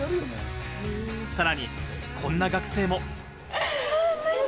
さらに、こんな学生も。